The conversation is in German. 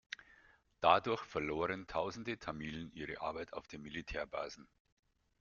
Dadurch verloren tausende Tamilen ihre Arbeit auf den Militärbasen.